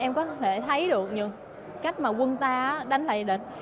em rất tự hào về lịch sử vì em có thể thấy được cách mà quân ta đánh lại địch